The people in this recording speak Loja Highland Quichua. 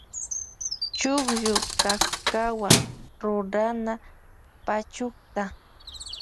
Chukllu kapkawa rurana pachukta.